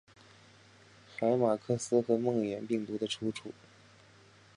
海马克斯和梦魇病毒的出处！